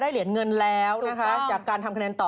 เหรียญเงินแล้วนะคะจากการทำคะแนนต่อ